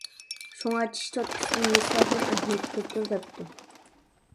شۇڭا چىش چوتكىسىدىن مىسۋاكنىڭ ئەھمىيىتى كۆپتۇر دەپتۇ.